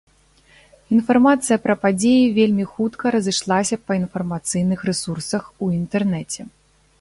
Інфармацыя пра падзеі вельмі хутка разышлася па інфармацыйных рэсурсах у інтэрнэце.